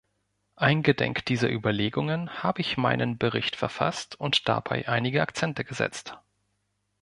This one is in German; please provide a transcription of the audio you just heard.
Eingedenk dieser Überlegungen habe ich meinen Bericht verfasst und dabei einige Akzente gesetzt.